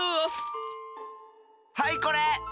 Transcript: はいこれ！